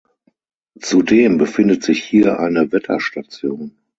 Zudem befindet sich hier eine Wetterstation.